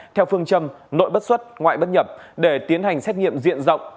theo phương châm nội bất xuất ngoại bất nhập để tiến hành xét nghiệm diện rộng